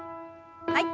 はい。